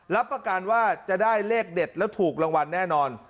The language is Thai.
รับประกันว่าจะได้เลขเด็ดแล้วถูกรางวัลแน่นอน